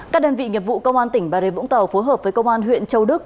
các đơn vị nghiệp vụ công an tỉnh bà rê vũng tàu phối hợp với công an huyện châu đức